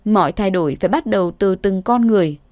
mọi thay đổi phải bắt đầu từ từng con người